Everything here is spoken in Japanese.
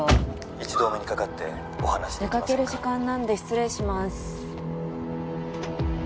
☎一度お目にかかってお話できませ出かける時間なんで失礼します